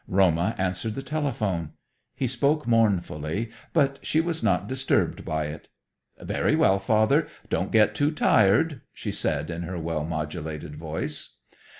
Roma answered the telephone. He spoke mournfully, but she was not disturbed by it. "Very well, Father. Don't get too tired," she said in her well modulated voice.